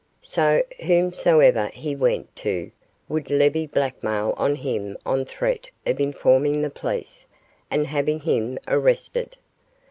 So whomsoever he went to would levy blackmail on him on threat of informing the police and having him arrested.